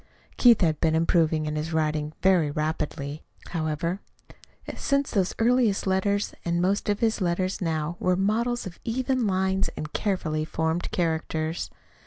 Keith had been improving in his writing very rapidly, however, since those earliest letters, and most of his letters now were models of even lines and carefully formed characters.